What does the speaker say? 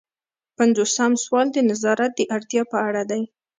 پنځوسم سوال د نظارت د اړتیا په اړه دی.